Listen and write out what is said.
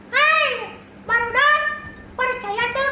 hai baru dah percaya ke aing